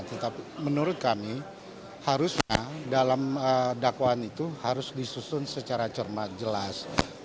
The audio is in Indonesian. tetapi menurut kami harusnya dalam dakwaan itu harus disusun secara cermat jelas